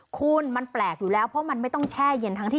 คุณมันแปลกอยู่แล้วเพราะมันไม่ต้องแช่เย็นทั้งที่